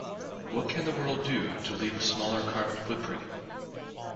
What can the world do to leave a smaller carbon footprint?